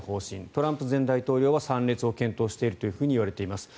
トランプ前大統領は参列を検討しているといわれています。